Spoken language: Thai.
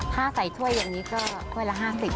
ถ้าใส่ถ้วยอย่างนี้ก็ถ้วยละ๕๐บาท